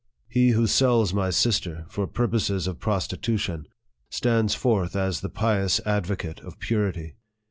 He who sells my sister, for purposes of prostitution, stands forth as the pious advocate of purity.